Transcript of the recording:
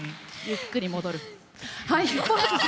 ゆっくり戻る。